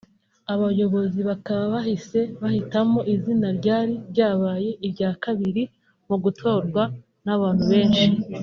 Aba bayobozi bakaba bahise bahitamo izina ryari ryabaye irya kabiri mu gutorwa n’abantu benshi